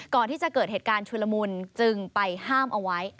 ก่อนที่จะเกิดเหตุการณ์ชุลมุนจึงไปห้ามเอาไว้